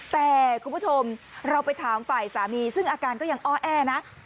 แต่คุณผู้ชมเราไปถามฝ่ายสามีซึ่งอาการก็ยังอ้อแอนะ